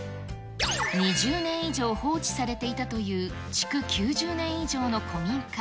２０年以上放置されていたという築９０年以上の古民家。